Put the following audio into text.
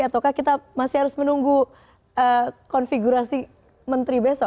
ataukah kita masih harus menunggu konfigurasi menteri besok